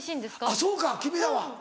あっそうか君らは。